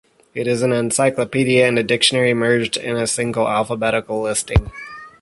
It is an encyclopedia and a dictionary merged in a single alphabetical listing.